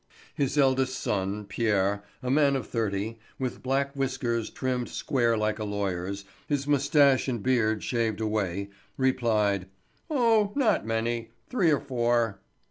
His eldest son, Pierre, a man of thirty, with black whiskers trimmed square like a lawyer's, his mustache and beard shaved away, replied: "Oh, not many; three or four."